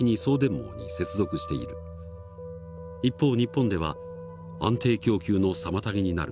一方日本では「安定供給の妨げになる」